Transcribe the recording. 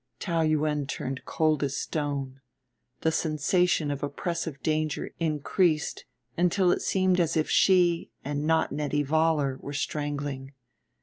Taou Yuen turned cold as stone: the sensation of oppressive danger increased until it seemed as if she, and not Nettie Vollar, were strangling.